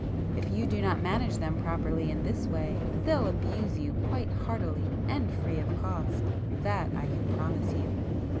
If you do not manage them properly in this way, they'll abuse you quite heartily and free of cost,—that I can promise you!